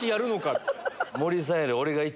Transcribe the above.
って。